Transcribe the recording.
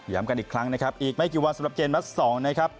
ย้ำกันอีกครั้งนะครับอีกไม่กี่วันสำหรับเกณฑ์